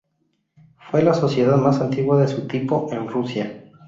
Fue la sociedad más antigua de su tipo en Rusia.